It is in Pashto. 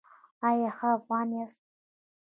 ایا ښه افغان یاست؟